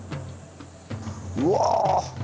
うわ。